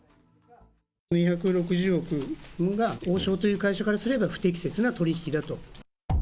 ２６０億が、王将という会社からすれば不適切な取り引きだと。